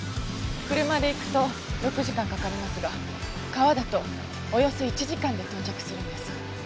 車で行くと６時間かかりますが川だとおよそ１時間で到着するんです。